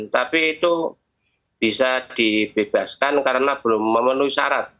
tapi itu bisa dibebaskan karena belum memenuhi syarat